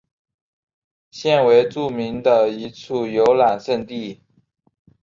现为著名的一处游览胜地。